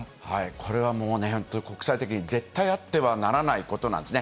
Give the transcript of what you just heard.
これはもうね、本当に国際的に絶対あってはならないことなんですね。